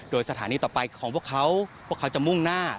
โดยสถานีต่อไปของพวกเขาพวกเขาจะมุ่งหน้า